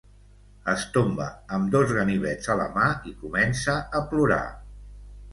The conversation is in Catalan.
Es tomba amb dos ganivets a la mà i comença a plorar.